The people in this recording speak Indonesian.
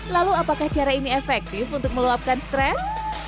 lalu apakah cara ini efektif untuk meluapkan stres